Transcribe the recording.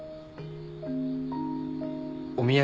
お土産。